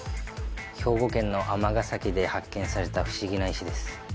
兵庫県の尼崎で発見された不思議な石です